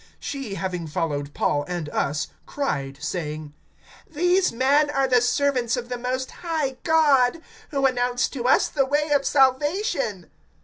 (17)She, having followed Paul and us, cried, saying: These men are the servants of the most high God, who announce to us the way of salvation.